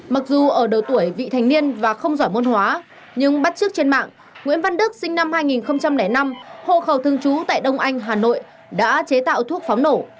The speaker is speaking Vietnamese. mặc dù ở độ tuổi vị thành niên và không giỏi môn hóa nhưng bắt trước trên mạng nguyễn văn đức sinh năm hai nghìn năm hộ khẩu thương chú tại đông anh hà nội đã chế tạo thuốc pháo nổ